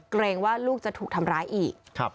เกรงว่าลูกจะถูกทำร้ายอีก